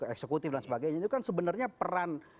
eksekutif dan sebagainya itu kan sebenarnya peran